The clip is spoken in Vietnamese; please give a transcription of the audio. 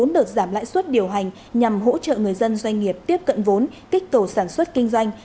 bốn đợt giảm lãi suất điều hành nhằm hỗ trợ người dân doanh nghiệp tiếp cận vốn kích cầu sản xuất kinh doanh